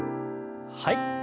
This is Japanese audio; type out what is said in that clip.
はい。